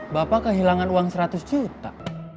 bapak kehilangan uang seratus juta